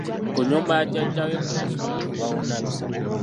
Ku nnyumba ya jjajja we kwe yasulanga.